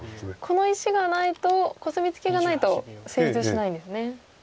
この石がないとコスミツケがないと成立しないんですね。